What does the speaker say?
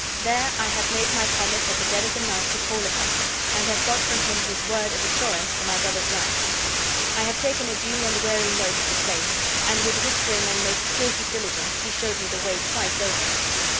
There I have made my promise at the dead of the night to call upon him, and have got from him his word of assurance for my brother's life. I have taken a due and wary note of the place; and with whispering and most guilty diligence he showed me the way twice over."